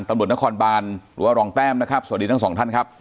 ตำรวจนครบานหรือว่ารองแต้มนะครับสวัสดีทั้งสองท่านครับ